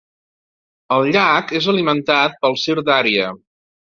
El llac és alimentat pel Syr Darya.